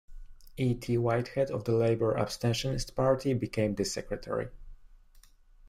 E. T. Whitehead, of the Labour Abstentionist Party, became the secretary.